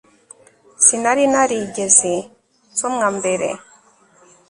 Sinari narigeze nsomwa mbere